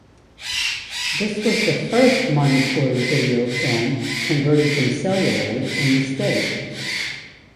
This was the first Manipuri video film converted from celluloid in the state.